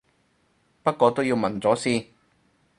不過都要問咗先